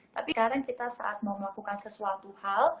tapi kadang kita saat mau melakukan sesuatu hal